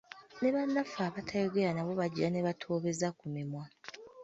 Ne bannaffe abatayogera nabo bagira ne batoobeza ku mimwa.